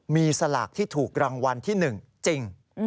มีสลากที่ถูกรางวัลที่๑จริง